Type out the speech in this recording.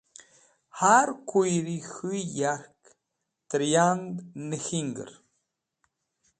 Har kuyri k̃hũ yark tẽr yand nẽk̃hingẽr.